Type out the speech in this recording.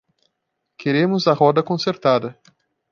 Queremos a roda consertada.